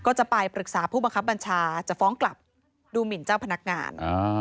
ก็จะไปปรึกษาผู้บังคับบัญชาจะฟ้องกลับดูหมินเจ้าพนักงาน